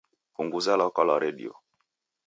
Punguza lwaka lwa redio